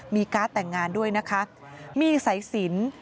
มีการ์ดแต่งงานด้วยนะคะมีใส่ศีล